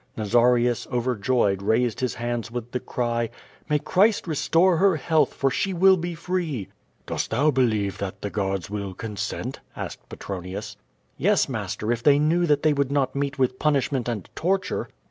Nazarius, overjoyed, raised his hands with the cry: "May Christ rcstorJhher health, for she will be free." "Dost thou believe tiiat the guards will consent?" asked Petronius. ', "Yes, master, if they knew that they would not meet with punishment and torture."